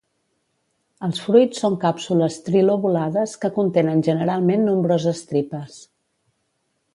Els fruits són càpsules trilobulades que contenen generalment nombroses tripes.